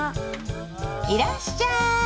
いらっしゃい。